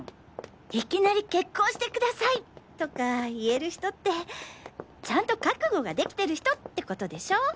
いきなり結婚してください！とか言える人ってちゃんと覚悟ができてる人ってことでしょ？